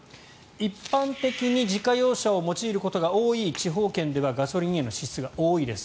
一般的に自家用車を用いることが多い地方圏ではガソリンへの支出が多いです。